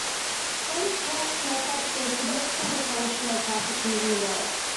Hence, trucks make up a significant proportion of traffic using the road.